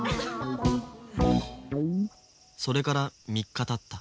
それから３日たった。